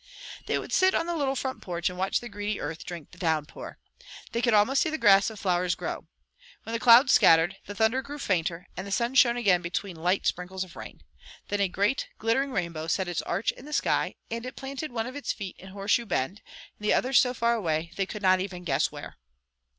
They would sit on the little front porch, and watch the greedy earth drink the downpour. They could almost see the grass and flowers grow. When the clouds scattered, the thunder grew fainter; and the sun shone again between light sprinkles of rain. Then a great, glittering rainbow set its arch in the sky, and it planted one of its feet in Horseshoe Bend, and the other so far away they could not even guess where.